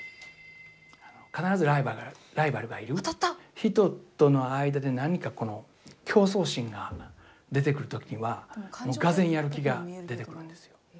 人との間で何か競争心が出てくる時はもうがぜんやる気が出てくるんですよ。